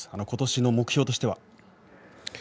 ことしの目標としては？